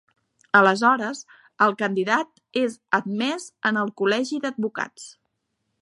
Aleshores, el candidat és "admès en el Col·legi d'advocats".